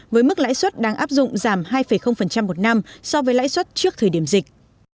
với mức lãi suất đang áp dụng giảm hai một năm so với lãi suất trước thời điểm dịch